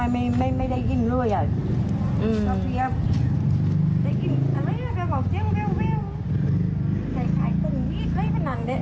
ไม่ไม่ได้ยินเรื่อยอ่ะอืม